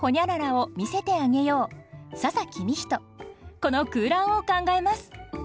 この空欄を考えます